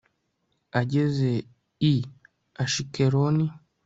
ageze i ashikeloni